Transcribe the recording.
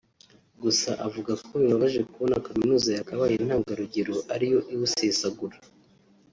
gusa avuga ko bibabaje kubona Kaminuza yakabaye intangarugero ari yo iwusesagura